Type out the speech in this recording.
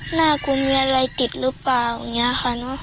หน้ากูมีอะไรติดรึเปล่าอย่างเนี้ยค่ะ